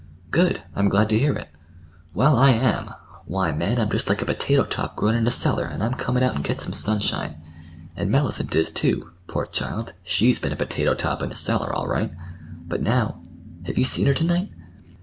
"Good! I'm glad to hear it." "Well, I am. Why, man, I'm just like a potato top grown in a cellar, and I'm comin' out and get some sunshine. And Mellicent is, too. Poor child! she's been a potato top in a cellar all right. But now—Have you seen her to night?"